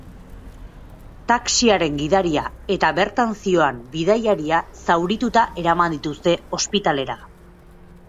Taxiaren gidaria eta bertan zihoan bidaiaria zaurituta eraman dituzte ospitalera.